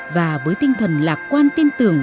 và với tinh thần lạc quan tin tưởng